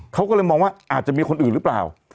เขาก็เลยมองว่าอาจจะมีคนอื่นหรือเปล่า